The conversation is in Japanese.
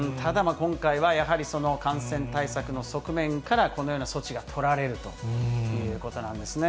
今回は、やはりその感染対策の側面から、このような措置が取られるということなんですね。